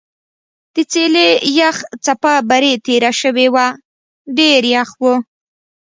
د څېلې یخه څپه برې تېره شوې وه ډېر یخ و.